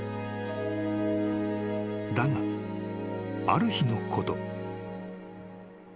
［だがある日のこと］